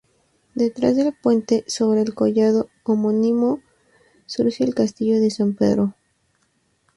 Detrás del Puente, sobre el collado homónimo, surge el Castillo de San Pedro.